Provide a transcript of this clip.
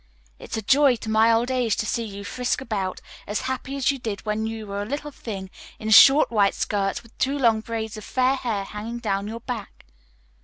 It's a joy to my old age to see you frisk about as happily as you did when you were a little thing in short white skirts with two long braids of fair hair hanging down your back."